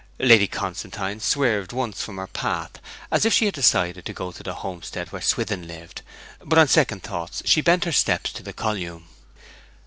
Lady Constantine swerved once from her path, as if she had decided to go to the homestead where Swithin lived; but on second thoughts she bent her steps to the column.